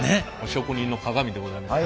職人のかがみでございます。